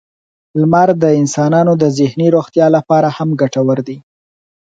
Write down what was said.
• لمر د انسانانو د ذهني روغتیا لپاره هم ګټور دی.